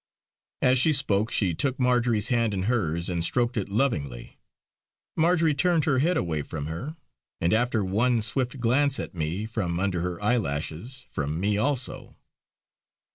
As she spoke she took Marjory's hand in hers and stroked it lovingly. Marjory turned her head away from her, and, after one swift glance at me from under her eyelashes, from me also.